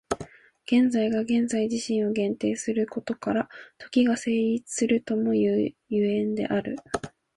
現在が現在自身を限定することから、時が成立するともいう所以である。